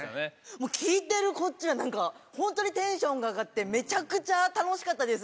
もう、聴いてるこっちがなんか、本当にテンションが上がって、めちゃくちゃ楽しかったです。